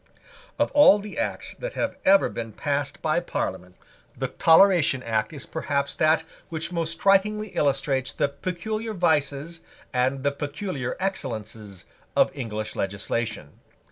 Of all the Acts that have ever been passed by Parliament, the Toleration Act is perhaps that which most strikingly illustrates the peculiar vices and the peculiar excellences of English legislation.